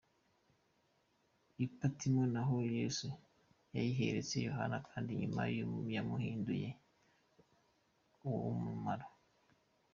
I Patimo naho Yesu yahiyeretse Yohana kandi nyuma yamuhinduye uw’umumaro.